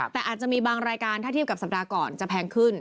แต่อาจจะมีบางรายการถ้าเทียบกับสัปดาห์ก่อนจะแพงขึ้น